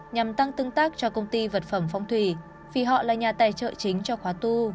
nhằm tăng tương tác cho công ty vật phẩm phong thủy vì họ là nhà tài trợ chính cho khóa tu